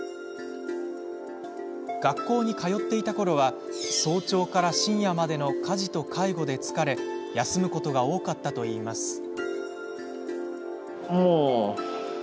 学校に通っていたころは早朝から深夜までの家事と介護で疲れ休むことが多かったといいます。